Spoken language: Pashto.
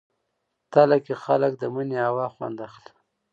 تله کې خلک د مني هوا خوند اخلي.